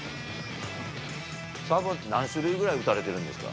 サーブって何種類ぐらい打たれてるんですか？